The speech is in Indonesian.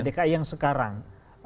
dki yang sekarang